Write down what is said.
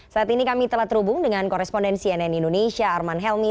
saat ini kami telah terhubung dengan korespondensi nn indonesia arman helmi